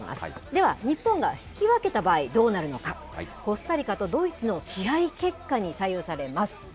では、日本が引き分けた場合、どうなるのか、コスタリカとドイツの試合結果に左右されます。